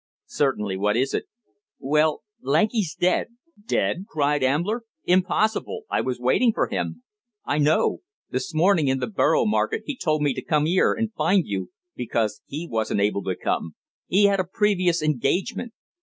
"Certainly. What is it?" "Well, Lanky's dead." "Dead?" cried Ambler. "Impossible. I was waiting for him." "I know. This morning in the Borough Market he told me to come 'ere and find you, because he wasn't able to come. 'E had a previous engagement.